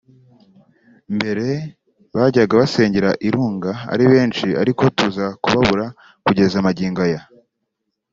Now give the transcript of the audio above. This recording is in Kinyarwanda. Mbere bajyaga basengera i Runga ari benshi ariko tuza kubabura kugeza magingo aya